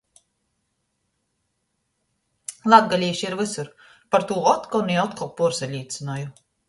Latgalīši ir vysur – par tū otkon i otkon puorsalīcynoju.